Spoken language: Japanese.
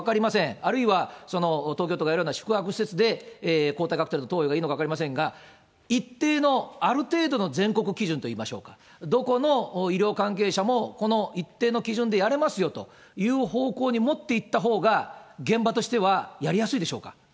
あるいは東京都がやるような宿泊施設で抗体カクテル投与がいいのか分かりませんが、一定の、ある程度の全国基準といいましょうか、どこの医療関係者も、この一定の基準でやれますよという方向に持っていったほうが、現場としてはやりやすいでしょうか？